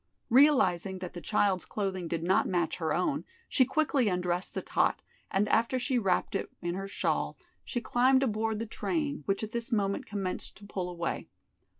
Realizing that the child's clothing did not match her own, she quickly undressed the tot, and after she had wrapped it in her shawl she climbed aboard the train, which at this moment commenced to pull away.